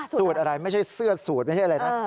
สูตรอะไรไม่ใช่เสื้อสูตรไม่ใช่อะไรนะ